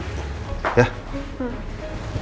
besok aku pusing tiket pagi pagi